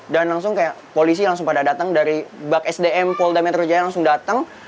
dan langsung kayak polisi langsung pada datang dari bak sdm polda metro jaya langsung datang